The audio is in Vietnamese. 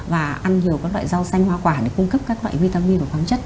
và ăn nhiều các loại rau xanh hoa quả để cung cấp các loại vitamin và khoáng chất